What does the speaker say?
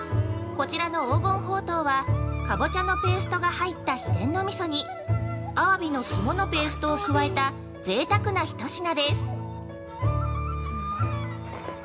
こちらの黄金ほうとうはかぼちゃのペーストが入った秘伝のみそにアワビの肝のペーストを加えたぜいたくな一品です。